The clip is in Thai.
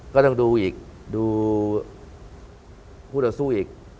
ก็ต้องดูอีกดูคู่ต่อสู้อีก